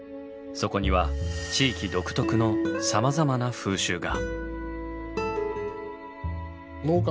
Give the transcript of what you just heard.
そこには地域独特のさまざまな風習が。